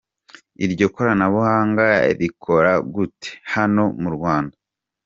Iryo koranabuhanga rikora gute hano mu Rwanda?.